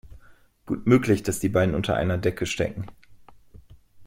Gut möglich, dass die beiden unter einer Decke stecken.